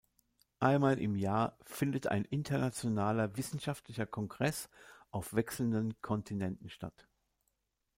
Einmal im Jahr findet ein internationaler wissenschaftlicher Kongress auf wechselnden Kontinenten statt.